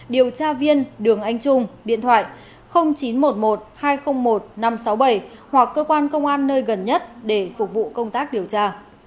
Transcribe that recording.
điều tra viên đường anh trung điện thoại chín trăm một mươi một hai trăm linh một năm trăm sáu mươi bảy hoặc cơ quan công an nơi gần nhất để phục vụ công tác điều tra